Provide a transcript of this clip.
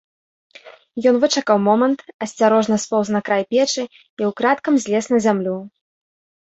Ён вычакаў момант, асцярожна споўз на край печы і ўкрадкам злез на зямлю.